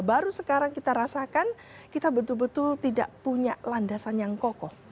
baru sekarang kita rasakan kita betul betul tidak punya landasan yang kokoh